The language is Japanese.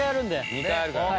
２回あるからね。